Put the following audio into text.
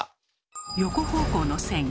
横方向の線